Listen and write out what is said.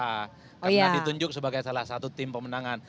karena ditunjuk sebagai salah satu tim pemenangan